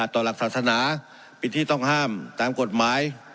หลักศาสนาเป็นที่ต้องห้ามตามกฎหมาย